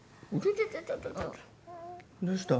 どうした？